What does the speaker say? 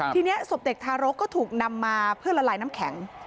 ทีนี้ศพเด็กทารกก็ถูกนำมาเพื่อละลายน้ำแข็ง